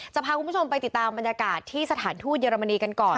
พาคุณผู้ชมไปติดตามบรรยากาศที่สถานทูตเยอรมนีกันก่อน